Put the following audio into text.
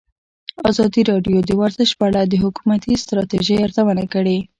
ازادي راډیو د ورزش په اړه د حکومتي ستراتیژۍ ارزونه کړې.